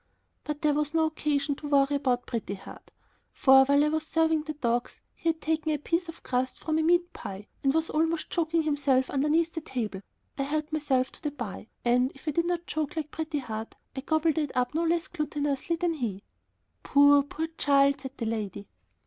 But there was no occasion to worry about Pretty Heart, for while I was serving the dogs he had taken a piece of crust from a meat pie and was almost choking himself underneath the table. I helped myself to the pie and, if I did not choke like Pretty Heart, I gobbled it up no less gluttonously than he. "Poor, poor child!" said the lady.